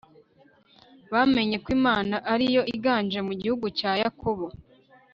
bamenye ko imana ari yo iganje mu gihugu cya yakobo